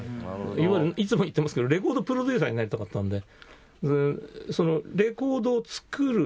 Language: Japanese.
いわゆるいつも言ってますけどレコードプロデューサーになりたかったんで。